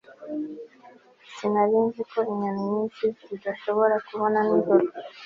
Sinari nzi ko inyoni nyinshi zidashobora kubona nijoro